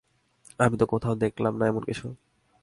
আমি তো কোথাও দেখলাম না এমন কিছু।